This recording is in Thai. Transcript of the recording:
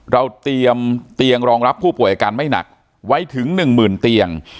เราเตรียมเตียงรองรับผู้ป่วยอาการไม่หนักไว้ถึง๑๐๐๐เตียง